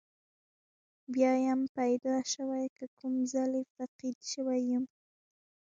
بیا یم پیدا شوی که کوم ځلې فقید شوی یم.